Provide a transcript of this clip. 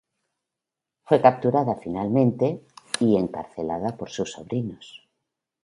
Fue capturada finalmente y encarcelada por sus sobrinos.